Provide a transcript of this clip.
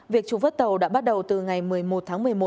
việc trục vất tàu đã bắt đầu từ ngày một mươi một tháng một mươi một